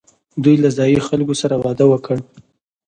دوی له ځايي خلکو سره واده وکړ